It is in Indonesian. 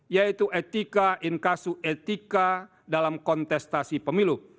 yaitu etika inkasu etika dalam kontestasi pemilu